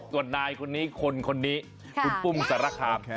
ส่วนนายคนนี้คนนี้คุณปุ้มสารคาม